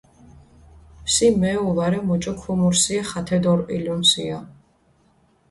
სი მეუ ვარა, მუჭო ქუმურსიე, ხათე დორჸვილუნსია.